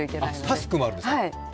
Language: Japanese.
タスクもあるんですか？